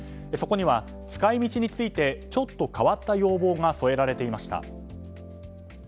そこには、使い道についてちょっと変わった要望が添えられていました。